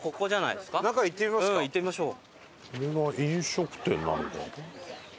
行ってみましょう。